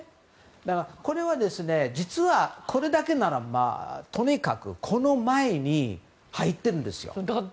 これは実はこれだけならとにかくこの前に入っているんですよ。